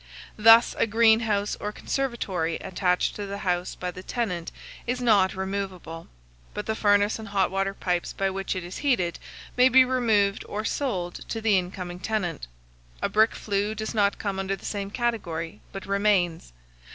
Thus, a greenhouse or conservatory attached to the house by the tenant is not removable; but the furnace and hot water pipes by which it is heated, may be removed or sold to the in coming tenant. A brick flue does not come under the same category, but remains.